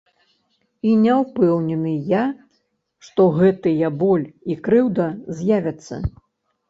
І не ўпэўнены я, што гэтыя боль і крыўда з'явяцца.